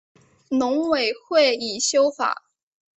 农委会已修法